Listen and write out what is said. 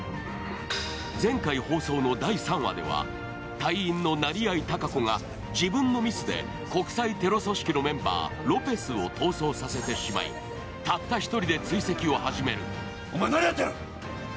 前回放送の第３話では、隊員の成合隆子が自分のミスで国際テロ組織のメンバー、ロペスを逃走させてしまい、たった１人で追跡を始める。